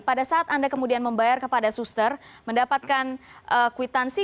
pada saat anda kemudian membayar kepada suster mendapatkan kwitansi